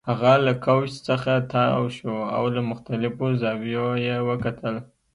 هغه له کوچ څخه تاو شو او له مختلفو زاویو یې وکتل